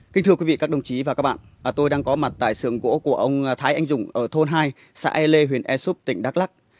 kính thưa quý vị các đồng chí và các bạn tôi đang có mặt tại xưởng gỗ của ông thái anh dũng ở thôn hai xã yêu lê huyện yêu xúc tỉnh đắk lắc